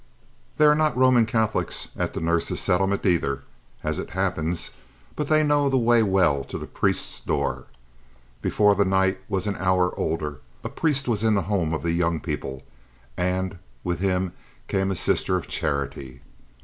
They are not Roman Catholics at the Nurses' Settlement, either, as it happens, but they know the way well to the priest's door. Before the night was an hour older a priest was in the home of the young people, and with him came a sister of charity.